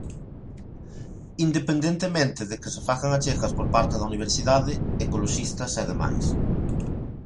Independentemente de que se fagan achegas por parte da universidade, ecoloxistas e demais.